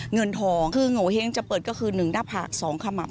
เงินทองคือโงเห้งจะเปิดก็คือ๑หน้าผาก๒ขมับ